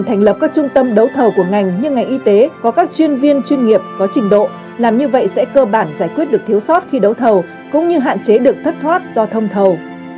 thành lập các trung tâm đấu thầu của ngành như ngành y tế có các chuyên viên chuyên nghiệp có trình độ làm như vậy sẽ cơ bản giải quyết được thiếu sót khi đấu thầu cũng như hạn chế được thất thoát do thông thầu